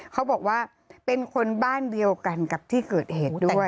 เขาบอกว่าเป็นคนบ้านเดียวกันกับที่เกิดเหตุด้วย